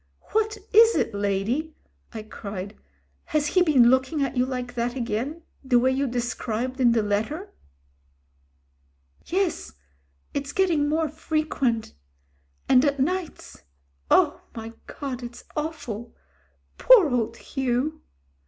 "What is it, lady," I cried. "Has he been looking at you like that again, the way you described in the letter?" "Yes — it's getting more frequent. And at nights — oh ! my God ! it's awful. Poor old Hugh."